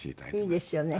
いいですよね。